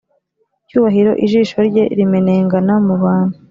cyubahiro ijisho rye rimenengana mubantu